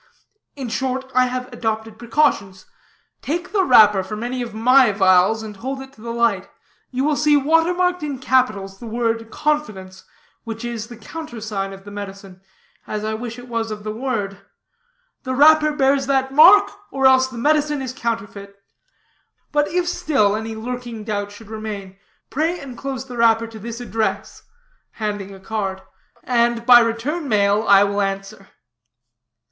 In short, I have adopted precautions. Take the wrapper from any of my vials and hold it to the light, you will see water marked in capitals the word 'confidence,' which is the countersign of the medicine, as I wish it was of the world. The wrapper bears that mark or else the medicine is counterfeit. But if still any lurking doubt should remain, pray enclose the wrapper to this address," handing a card, "and by return mail I will answer."